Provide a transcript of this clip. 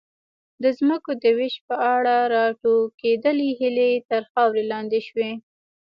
د ځمکو د وېش په اړه راټوکېدلې هیلې تر خاورې لاندې شوې.